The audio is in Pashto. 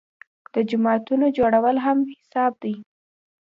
د جوماتونو جوړول هم حساب دي.